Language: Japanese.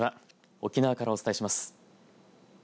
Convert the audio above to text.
沖縄からお伝えします。